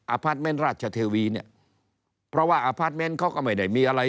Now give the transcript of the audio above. พาร์ทเมนต์ราชเทวีเนี่ยเพราะว่าอพาร์ทเมนต์เขาก็ไม่ได้มีอะไร